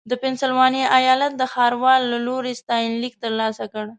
د پنسلوانیا ایالت د ښاروال له لوري ستاینلیک ترلاسه کړ.